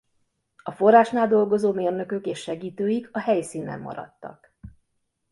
A forrásnál dolgozó mérnökök és segítőik a helyszínen maradtak.